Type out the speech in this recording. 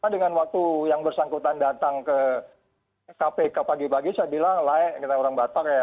dengan waktu yang bersangkutan datang ke kpk pagi pagi saya bilang layak ini orang batak ya